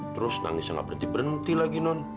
terus nangis gak berhenti berhenti lagi non